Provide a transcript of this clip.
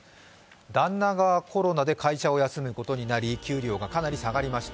旦那がコロナで会社を休むことになり、給料がかなり下がりました。